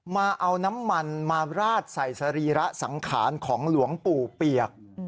มาเอาน้ำมันมาราดใส่สรีระสังขารของหลวงปู่เปียก